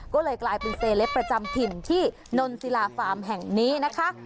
ก็เลยกลายเป็นเซลปประจำถิ่นที่นนศิลาฟาร์มแห่งนี้นะคะ